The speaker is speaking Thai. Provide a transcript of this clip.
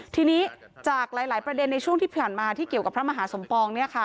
ทีนี้จากหลายประเด็นในช่วงที่ผ่านมาที่เกี่ยวกับพระมหาสมปอง